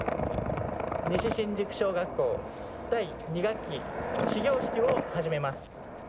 西新宿小学校、第２学期始業式を始めます。